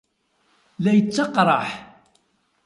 La yettaqraḥ.